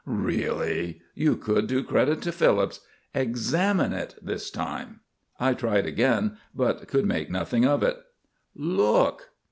"Really! You would do credit to Phillips. Examine it this time." I tried again, but could make nothing of it. "Look."